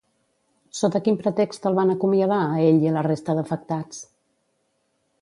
Sota quin pretext el van acomiadar a ell i a la resta d'afectats?